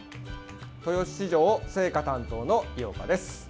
豊洲市場青果担当の井岡です。